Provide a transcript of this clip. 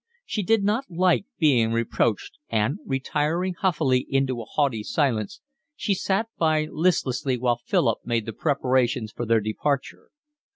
She did not like being reproached, and, retiring huffily into a haughty silence, she sat by listlessly while Philip made the preparations for their departure.